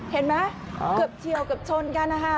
เห็นไหมเกือบเถียวกำเชินกันล่ะค่ะ